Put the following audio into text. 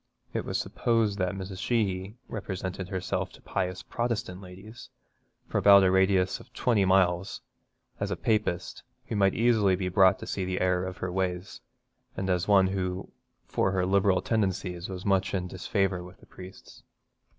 It was supposed that Mrs. Sheehy represented herself to pious Protestant ladies, for about a radius of twenty miles, as a Papist, who might easily be brought to see the error of her ways, and as one who for her liberal tendencies was much in disfavour with the priests.